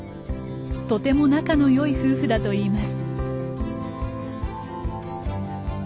とても仲のよい夫婦だといいます。